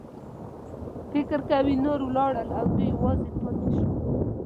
فکر کوي نور ولاړل او دی یوازې پاتې شو.